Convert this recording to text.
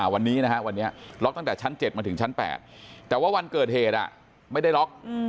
วันนี้นะฮะวันนี้ล็อกตั้งแต่ชั้น๗มาถึงชั้น๘แต่ว่าวันเกิดเหตุไม่ได้ล็อก